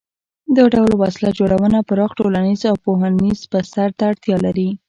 دا ډول وسله جوړونه پراخ ټولنیز او پوهنیز بستر ته اړتیا لري.